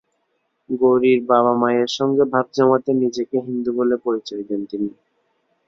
গৌরীর বাবা-মায়ের সঙ্গে ভাব জমাতে নিজেকে হিন্দু বলে পরিচয় দেন তিনি।